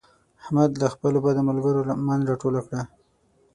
احمد له خپلو بدو ملګرو لمن راټوله کړه.